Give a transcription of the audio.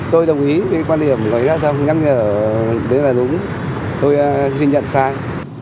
tôi đồng ý với quan điểm gọi giao thông nhắn nhở đến là đúng tôi xin nhận sai